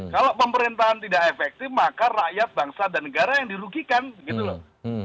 kalau pemerintahan tidak efektif maka rakyat bangsa dan negara yang dirugikan gitu loh